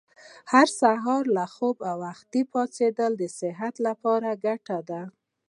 هر سهار له خوبه وختي پاڅېدل د صحت لپاره ګټور دي.